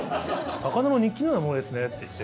「魚の日記のようなものですね」って言って。